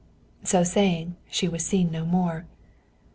So saying, she was seen no more.